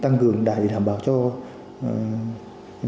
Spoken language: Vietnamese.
tăng cường đại hội đảm bảo cho đàn gia súc